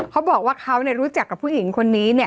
เขาบอกว่าเขาเนี่ยรู้จักกับผู้หญิงคนนี้เนี่ย